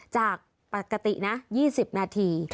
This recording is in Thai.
จากปกตินะ๒๐นาที